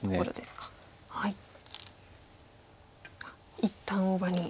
一旦大場に。